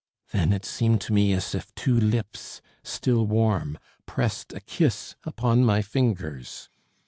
Then it seemed to me as if two lips, still warm, pressed a kiss upon my fingers!